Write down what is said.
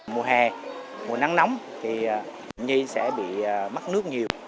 mùa hè mùa nắng nóng thì nhi sẽ bị mắc nước nhiều